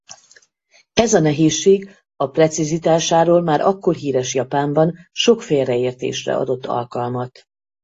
Ez a nehézség a precizitásáról már akkor híres Japánban sok félreértésre adott alkalmat.